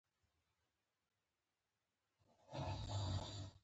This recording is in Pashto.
ښکلی اواز هم غټ نعمت دی.